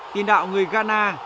tin đạo người ghana